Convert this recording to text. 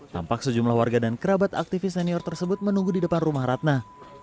tampak sejumlah warga dan kerabat aktivis senior tersebut menunggu di depan rumah ratna